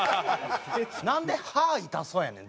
なんで歯痛そうやねん？